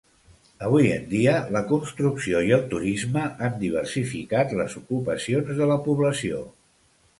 Avui en dia la construcció i el turisme han diversificat les ocupacions de la població.